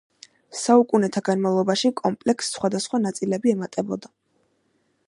საუკუნეთა განმავლობაში, კომპლექსს სხვადასხვა ნაწილები ემატებოდა.